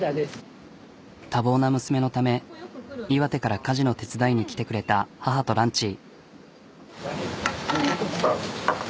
多忙な娘のため岩手から家事の手伝いに来てくれた母とランチ。